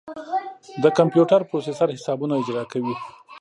د کمپیوټر پروسیسر حسابونه اجرا کوي.